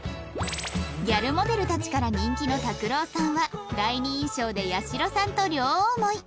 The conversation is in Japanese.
ギャルモデルたちから人気の拓郎さんは第二印象で８４６さんと両思い